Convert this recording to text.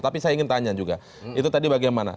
tapi saya ingin tanya juga itu tadi bagaimana